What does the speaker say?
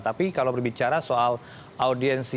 tapi kalau berbicara soal audiensi